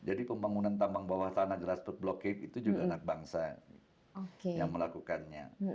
jadi pembangunan tambang bawah tanah jelas put blockade itu juga anak bangsa yang melakukannya